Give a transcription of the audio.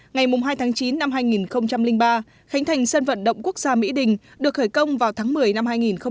ngày hai tháng chín năm hai nghìn ba khánh thành sân vận động quốc gia mỹ đình được khởi công vào tháng một mươi năm hai nghìn một mươi